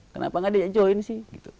kenapa gak dia join sih